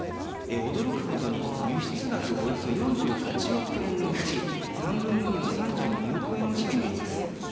驚くことに、輸出額およそ４８億円のうち３分の２の３２億円を占めています。